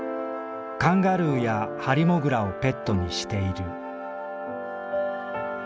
カンガルーやハリモグラをペットにしている」。